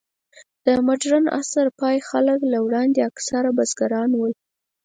د مډرن عصر پای ته له وړاندې، اکثره خلک بزګران ول.